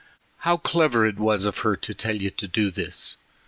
How clever it was of her to tell you to do this.